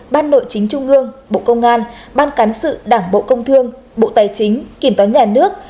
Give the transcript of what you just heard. ban nội chính trung ương bộ công an ban cán sự đảng bộ công thương bộ tài chính kiểm toán nhà nước